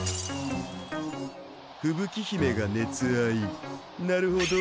ふぶき姫が熱愛なるほど。